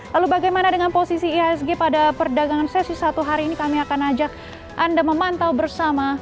lalu bagaimana dengan posisi ihsg pada perdagangan sesi satu hari ini kami akan ajak anda memantau bersama